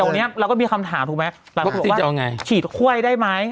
อย่างนี้เราก็มีคำถามถูกไหมหลังจากคุณบอกว่าฉีดคว้ายได้ไหม